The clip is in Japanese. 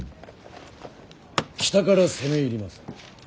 北から攻め入ります。